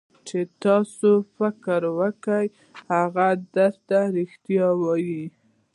چې تاسو فکر کوئ هغه درته رښتیا وایي.